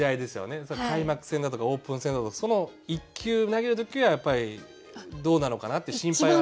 開幕戦だとかオープン戦だとかその１球投げる時にはやっぱりどうなのかなって心配はあるんですけど。